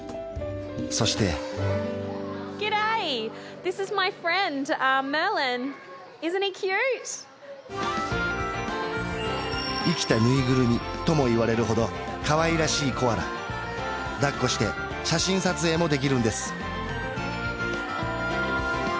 そして生きたぬいぐるみともいわれるほどかわいらしいコアラだっこして写真撮影もできるんです